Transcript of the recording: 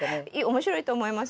面白いと思いますよ。